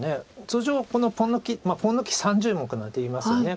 通常は「ポン抜き３０目」なんていいますよね。